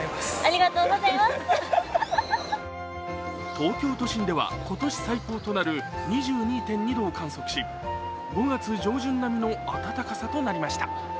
東京都心では今年最高となる２２．２度を観測し５月上旬並みの暖かさとなりました